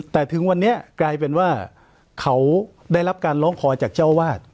แต่ถึงวันนี้กลายเป็นว่าเขาได้รับการร้องคอจากเจ้าวาด